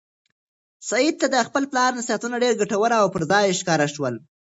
سعید ته د خپل پلار نصیحتونه ډېر ګټور او پر ځای ښکاره شول.